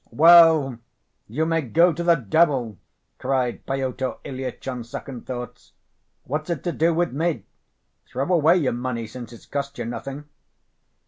"Well, you may go to the devil!" cried Pyotr Ilyitch, on second thoughts. "What's it to do with me? Throw away your money, since it's cost you nothing."